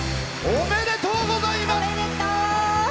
おめでとうございます！